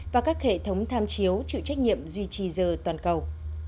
và các hệ thống tham chiếu chịu trách nhiệm duy trì giờ toàn cầu